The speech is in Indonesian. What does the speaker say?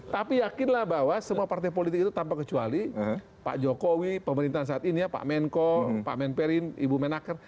tapi yakinlah bahwa semua partai politik itu tanpa kecuali pak jokowi pemerintahan saat ini ya pak menko pak menperin ibu menaker